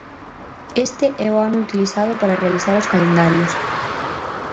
Este é o ano utilizado para realizar os calendarios.